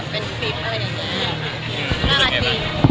เป็นคลิปอะไรอย่างนี้